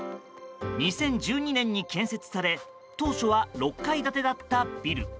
２０１２年に建設され、当初は６階建てだったビル。